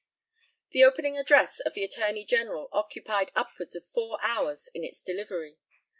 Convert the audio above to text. The opening address of the Attorney General occupied upwards of four hours in its delivery.